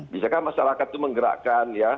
bisakah masyarakat itu menggerakkan ya